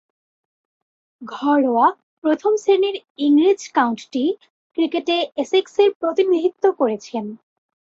ঘরোয়া প্রথম-শ্রেণীর ইংরেজ কাউন্টি ক্রিকেটে এসেক্সের প্রতিনিধিত্ব করেছেন।